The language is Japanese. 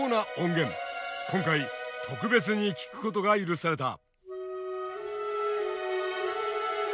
今回特別に聴くことが許された。